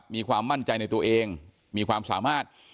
มีความมั่นใจในตัวเองมีความสามารถ